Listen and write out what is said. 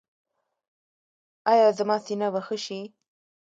ایا زما سینه به ښه شي؟